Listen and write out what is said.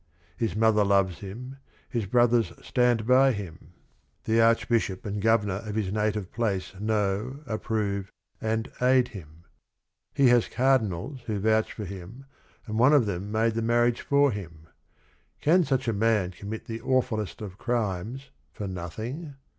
His mother loves him, his brothers stand by him, the 48 THE RING AND THE BOOK archbishop and governor of his native place know, approve, and aid him. He has cardinals who vouch for him and one of them made the marriage for him. Can such a man commit the awfullest of crimes for nothing?